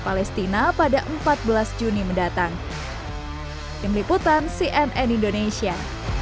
palestina pada empat belas juni mendatang tim liputan cnn indonesia